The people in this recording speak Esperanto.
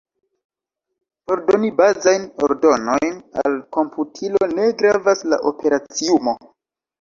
Por doni bazajn ordonojn al komputilo, ne gravas la operaciumo.